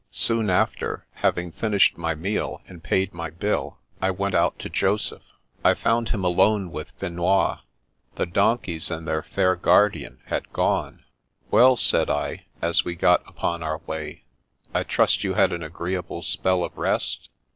Soon after, having finished my meal, and paid my bill, I went out to Joseph. 1 found him alone with Finois. The donkeys and their fair guardian had gone. " Well," said I, as we got upon our way, " I trust you had an agreeable spell of rest?